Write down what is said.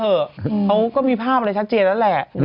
เค้าก็มีภาพอะไรชัดเจนแหละ